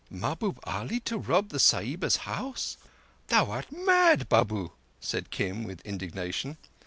"Mahbub Ali to rob the Sahiba's house? Thou art mad, Babu," said Kim with indignation.